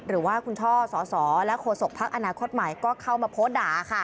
หรือว่าคุณช่อสสและโฆษกภักดิ์อนาคตใหม่ก็เข้ามาโพสต์ด่าค่ะ